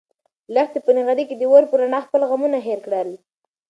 لښتې په نغري کې د اور په رڼا خپل غمونه هېر کړل.